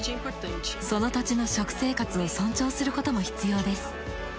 その土地の食生活を尊重することも必要です。